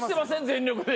全力で。